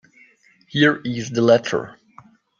Here is the letter.